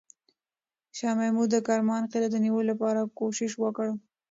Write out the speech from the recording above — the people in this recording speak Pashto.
شاه محمود د کرمان قلعه د نیولو لپاره کوښښ وکړ.